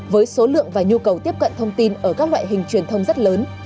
với số lượng và nhu cầu tiếp cận thông tin ở các loại hình truyền thông rất lớn